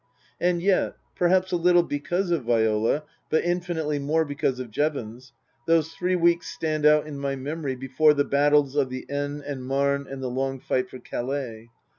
And yet perhaps a little because of Viola, but infinitely more because of Jevons those three weeks stand out in my memory before the battles of the Aisne and Marne and the long fight for Calais.